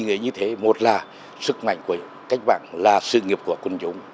nghĩa như thế một là sức mạnh của cách mạng là sự nghiệp của quân chủng